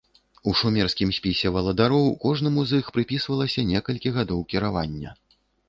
У шумерскім спісе валадароў кожнаму з іх прыпісвалася некалькі гадоў кіравання.